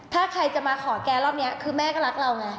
ถ้าใครจะมาขอแกรอบนี้คือแม่ก็รักเราไง